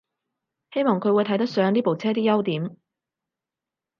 希望佢會睇得上呢部車啲優點